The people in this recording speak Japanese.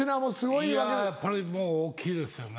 いややっぱりもう大きいですよね。